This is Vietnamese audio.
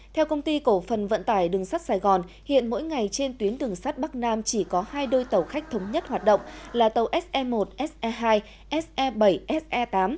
theo công ty cổ phần vận tải đường sắt sài gòn hiện mỗi ngày trên tuyến đường sắt bắc nam chỉ có hai đôi tàu khách thống nhất hoạt động là tàu se một se hai se bảy se tám